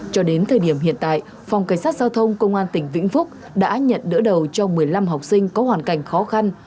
cho đến thời điểm hiện tại phòng cảnh sát giao thông công an tỉnh vĩnh phúc đã nhận đỡ đầu cho một mươi năm học sinh có hoàn cảnh khó khăn